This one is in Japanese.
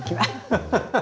ハハハハ！